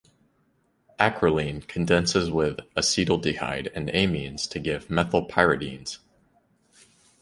Acrolein condenses with acetaldehyde and amines to give methylpyridines.